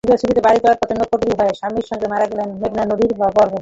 পুজোর ছুটিতে বাড়ি যাওয়ার পথে নৌকোডুবি হয়ে স্বামীর সঙ্গে মারা গেলেন মেঘনা নদীর গর্ভে।